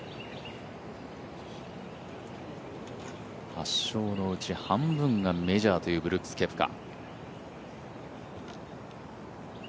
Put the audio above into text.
８勝のうち半分がメジャーというブルックス・ケプカ。